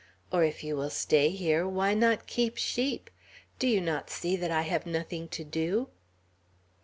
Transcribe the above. Or if you will stay here, why not keep sheep? Do you not see that I have nothing to do?"